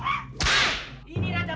wah tolong kamu